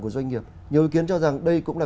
của doanh nghiệp nhiều ý kiến cho rằng đây cũng là